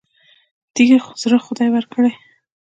تیږه زړه خدای ورکړی.